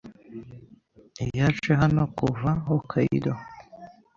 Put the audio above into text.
Yaje hano kuva Hokkaido.